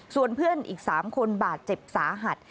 ส่วนเพื่อนอีก๓คนบาดเจ็บสาหัส